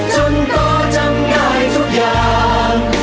จนพ่อจำได้ทุกอย่าง